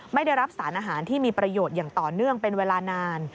ไม่ได้รับสารอาหารที่มีประโยชน์อย่างต่อเนื่องเป็นเวลานาน